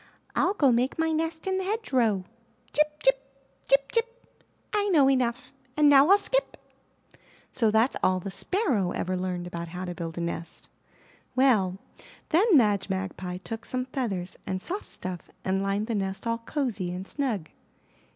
Til go make my nest in the hedgerow.' ''Chip! chip! Chip! chip! I know enough And now Til skip!" So that's all the Sparrow ever learned about how to build a nest. Well , then Madge Magpie took some feathers and soft stuff and lined the nest all cozy and snug.